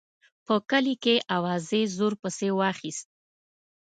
په کلي کې اوازې زور پسې واخیست.